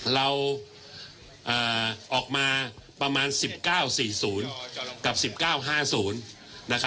เราออกมาประมาณ๑๙๔๐กับ๑๙๕๐